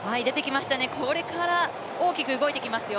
これから大きく動いてきますよ。